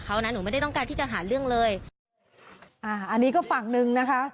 อันนี้ก็ฝั่งหนึ่งนะคะ